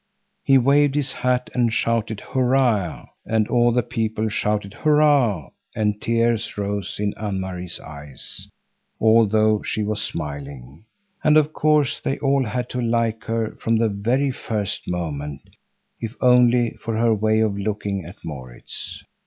He waved his hat and shouted hurrah, and all the people shouted hurrah, and tears rose in Anne Marie's eyes, although she was smiling. And of course they all had to like her from the very first moment, if only for her way of looking at Maurits.